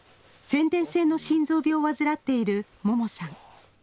先天性の心臓病を患っている桃さん。